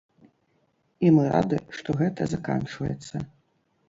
І мы рады, што гэта заканчваецца.